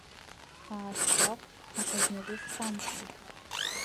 Аасгәахәт, аха зназы схьамԥшит.